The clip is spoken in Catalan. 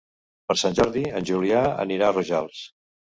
Per Sant Jordi en Julià anirà a Rojals.